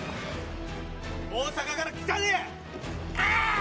大阪から来たで。